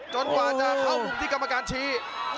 กว่าจะเข้ามุมที่กรรมการชี้